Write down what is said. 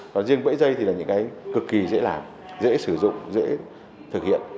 và riêng bẫy dây thì là những cái cực kỳ dễ làm dễ sử dụng dễ thực hiện